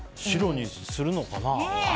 白にするのかな。